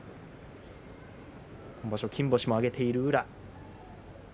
今場所、金星も挙げている宇良。